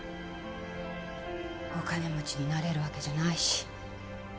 お金持ちになれるわけじゃないし。